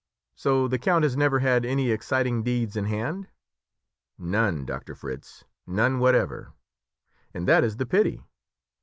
"So the count has never had any exciting deeds in hand?" "None, Doctor Fritz, none whatever; and that is the pity.